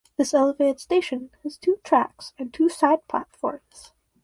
This elevated station has two tracks and two side platforms.